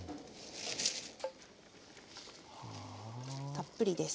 たっぷりです。